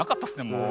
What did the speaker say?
もう。